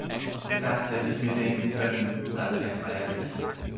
„Das hätte ich mir denken können“, sagte er feierlich.